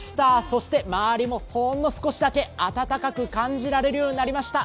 そして周りもほんの少しだけ暖かく感じられるようになりました。